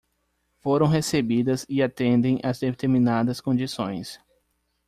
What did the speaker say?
foram recebidas e atendem a determinadas condições.